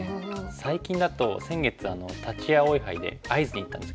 最近だと先月立葵杯で会津に行ったんですけど。